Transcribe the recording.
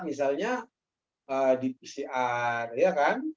misalnya di pcr ya kan